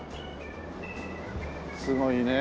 すごいねえ